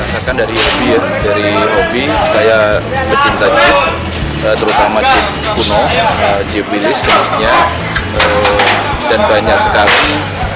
berdasarkan dari hobi saya mencintai jeep terutama jeep kuno jeep bilis jenisnya dan banyak sekali